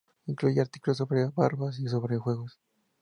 Incluye artículos sobre barbas, y sobre juegos.